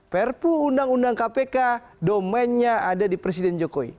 perpu undang undang kpk domennya ada di presiden jokowi